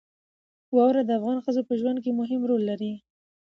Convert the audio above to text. واوره د افغان ښځو په ژوند کې هم رول لري.